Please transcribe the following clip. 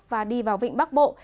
và đi vào vịnh bắc bộ